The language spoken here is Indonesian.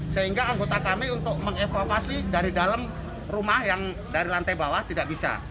sehingga anggota kami untuk mengevakuasi dari dalam rumah yang dari lantai bawah tidak bisa